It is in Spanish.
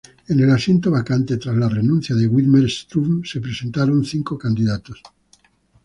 En el asiento vacante tras la renuncia de Widmer-Schlumpf se presentaron cinco candidatos.